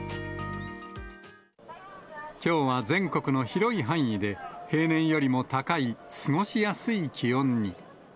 きょうは全国の広い範囲で、平年よりも高い過ごしやすい気温に。